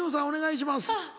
お願いします。